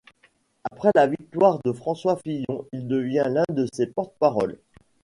Après la victoire de François Fillon, il devient l'un de ses porte-parole.